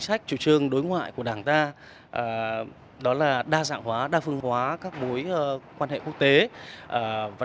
sách chủ trương đối ngoại của đảng ta đó là đa dạng hóa đa phương hóa các mối quan hệ quốc tế và